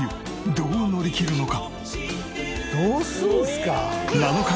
どう乗り切るのか？